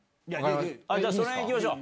じゃあ、その辺いきましょう。